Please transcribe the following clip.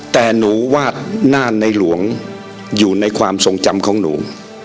แต่หนูวาดหน้าในหลวงอยู่ในความทรงจำของหนู